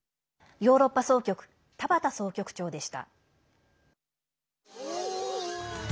ヨーロッパ総局田端総局長でした。